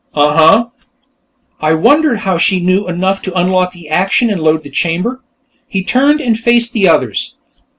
"Uhuh. I wondered how she knew enough to unlock the action and load the chamber." He turned and faced the others.